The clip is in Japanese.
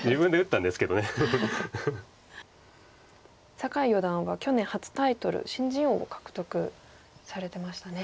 酒井四段は去年初タイトル新人王を獲得されてましたね。